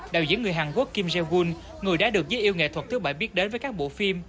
đạo diễn người hàn quốc kim jae woon người đã được dưới yêu nghệ thuật thứ bảy biết đến với các bộ phim